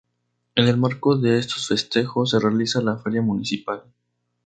En el marco de estos festejos, se realiza la feria municipal.